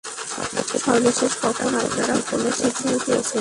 সর্বশেষ কখন আপনারা ফোনে সিগন্যাল পেয়েছেন?